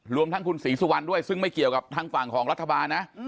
หรือรฐบาลด้วยซึ่งไม่เกี่ยวกับทางฝั่งของรัฐบานะ